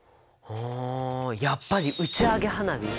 あやっぱり打ち上げ花火！